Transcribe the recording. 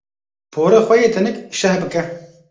Porê xwe yê tenik şeh bike.